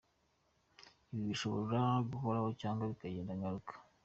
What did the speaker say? Ibi bishobora guhoraho cyangwa bikagenda bigaruka.